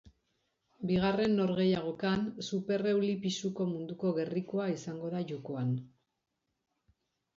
Bigarren norgehiagokan, supereuli pisuko munduko gerrikoa izango da jokoan.